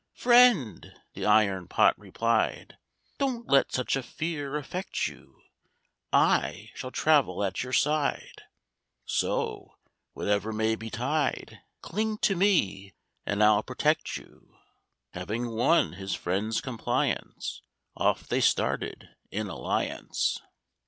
"Friend!" the Iron Pot replied, "Don't let such a fear affect you; I shall travel at your side: So, whatever may betide, Cling to me, and I'll protect you." Having won his friend's compliance, Off they started in alliance.